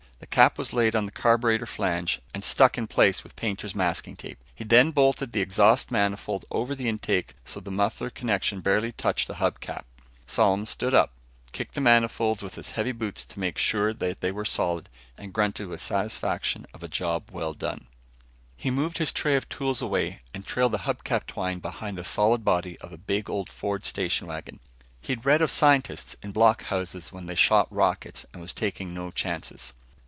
The cap was laid on the carburetor flange and stuck in place with painter's masking tape. He then bolted the exhaust manifold over the intake so the muffler connection barely touched the hub cap. Solomon stood up, kicked the manifolds with his heavy boots to make sure they were solid and grunted with satisfaction of a job well done. He moved his tray of tools away and trailed the hub cap twine behind the solid body of a big old Ford station wagon. He'd read of scientists in block houses when they shot rockets and was taking no chances.